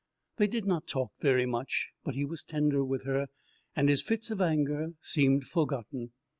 They did not talk very much, but he was tender with her, and his fits of anger seemed forgotten.